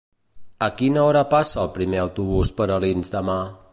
A quina hora passa el primer autobús per Alins demà?